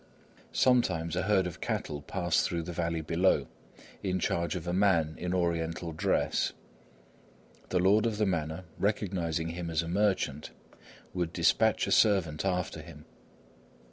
Sometimes a herd of cattle passed through the valley below, in charge of a man in Oriental dress. The lord of the manor, recognising him as a merchant, would despatch a servant after him.